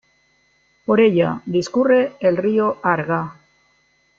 Por ella discurre el río Arga.